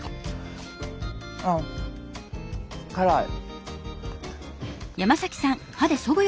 あっ辛い。